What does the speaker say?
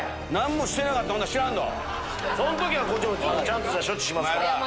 そん時はこっちもちゃんとした処置しますから。